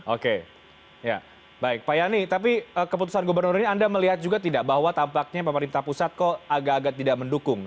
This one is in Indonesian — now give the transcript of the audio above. oke ya baik pak yani tapi keputusan gubernur ini anda melihat juga tidak bahwa tampaknya pemerintah pusat kok agak agak tidak mendukung